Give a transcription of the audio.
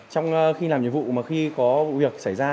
trong khi làm nhiệm vụ mà khi có vụ việc xảy ra